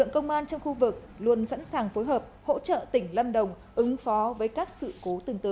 công an trong khu vực luôn sẵn sàng phối hợp hỗ trợ tỉnh lâm đồng ứng phó với các sự cố tương tự